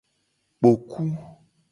Kpoku.